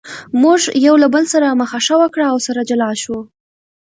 موږ یو له بل سره مخه ښه وکړه او سره جلا شوو.